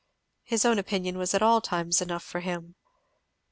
His own opinion was at all times enough for him.